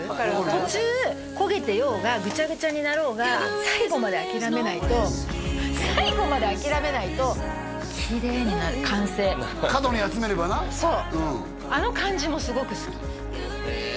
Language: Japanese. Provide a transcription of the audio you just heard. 途中焦げてようがぐちゃぐちゃになろうが最後まで諦めないと最後まで諦めないときれいになる完成角に集めればなそう